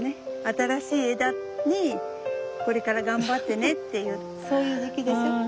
新しい枝にこれから頑張ってねっていうそういう時期でしょ。